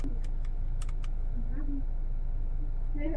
خپلې ژبې ته کار وکړئ